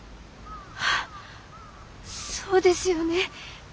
あそうですよね。